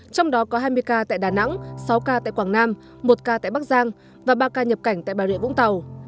trong đó có hai mươi ca tại đà nẵng sáu ca tại quảng nam một ca tại bắc giang và ba ca nhập cảnh tại bà rịa vũng tàu